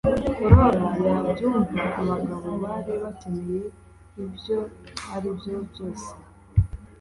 flora yabyumva - abagabo bari bakeneye ibyo aribyo byose